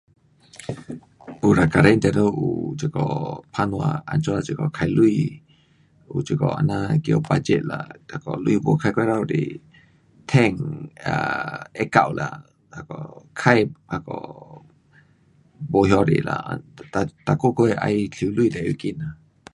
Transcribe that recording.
有啦，家庭当然有这个打算，怎样这个花钱，有这个这样的叫 budget 啦，那个钱没花过头多，赚 um 会够啦，那个花那个没那多啦。每，每个月要收钱最要紧。